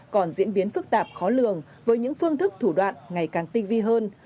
còn diễn biến phức tạp khó lường với những phương thức thủ đoạn ngày càng tinh vi hơn